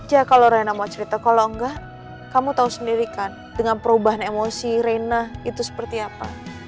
ya kalau reina mau cerita kalau enggak kamu tahu sendiri kan dengan perubahan emosi reina itu seperti apa